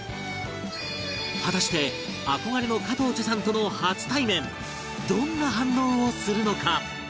果たして憧れの加藤茶さんとの初対面どんな反応をするのか？